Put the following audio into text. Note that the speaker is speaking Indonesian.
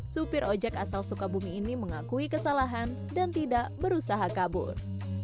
supir ojek asal sukabumi ini mengakui kesalahan dan tidak berusaha kabur